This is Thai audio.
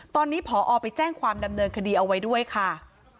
ตอนนี้ผอไปแจ้งความดำเนินคดีเอาไว้ด้วยค่ะ